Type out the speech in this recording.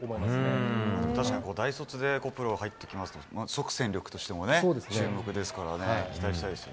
確かに大卒でプロ入ってきますと、即戦力としてもね注目ですからね。